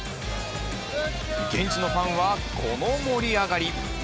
現地のファンはこの盛り上がり。